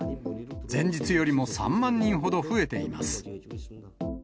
前日よりも３万人ほど増えています。